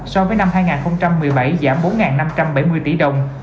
so với năm hai nghìn một mươi bảy giảm bốn năm trăm bảy mươi tỷ đồng